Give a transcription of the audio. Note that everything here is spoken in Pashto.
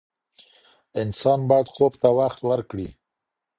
انسان باید خوب ته وخت ورکړي.